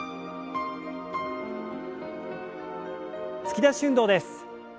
突き出し運動です。